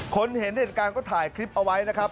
เห็นเหตุการณ์ก็ถ่ายคลิปเอาไว้นะครับ